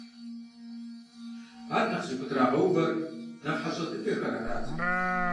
Ар нэхъ зыхутрагъэувэр нэхъ хьэщӀэ дыдэхэр арат.